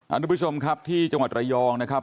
ทุกผู้ชมครับที่จังหวัดระยองนะครับ